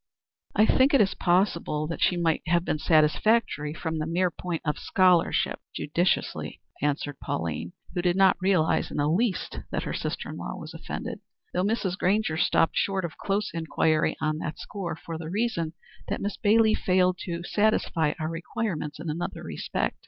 "I think it possible that she might have been satisfactory from the mere point of scholarship," judicially answered Pauline, who did not realize in the least that her sister in law was offended, "though Mrs. Grainger stopped short of close inquiry on that score, for the reason that Miss Bailey failed to satisfy our requirements in another respect.